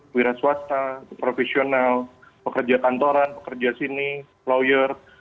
wira swasta profesional pekerja kantoran pekerja sini lawyer